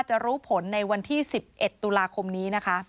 จะรู้ผลในวันที่๑๑ตุลาคมนี้นะคะ